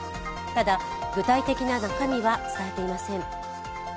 ただ、具体的な中身は伝えていません。